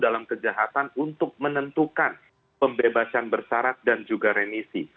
dalam kejahatan untuk menentukan pembebasan bersarat dan juga remisi